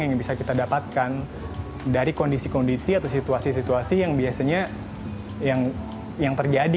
yang bisa kita dapatkan dari kondisi kondisi atau situasi situasi yang biasanya yang terjadi